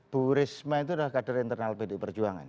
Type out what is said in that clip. bu risma itu adalah kader internal pdi perjuangan